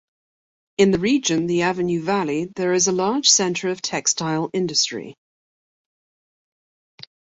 In the region, the Avenue Valley, there is a large center of textile industry.